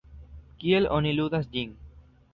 Kiel oni ludas ĝin?